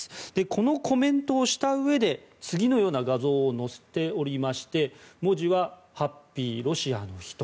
このコメントをしたうえで次のような画像を載せておりまして文字は「ハッピーロシアの日」と。